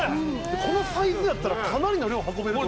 このサイズやったらかなりの量運べる。